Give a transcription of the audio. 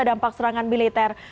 dampak serangan militer